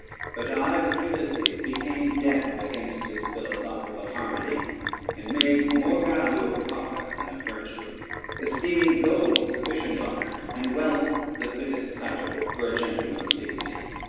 But I, with Ulysses, became deaf against his philosophical harmony, and made more value of profit than of virtue, esteeming gold sufficient honor, and wealth the fittest title for a gentleman's dignity.